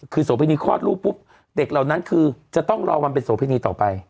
คือโพินีคลอดลูกปุ๊บเด็กเหล่านั้นคือจะต้องรอวันเป็นโสพินีต่อไป